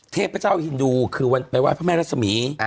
เทพเจ้าฮินดูคือพระสมี